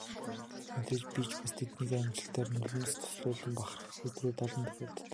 Мэдээж би ч бас тэднийхээ амжилтаар нулимс дуслуулан бахархах өдрүүд олон тохиолддог.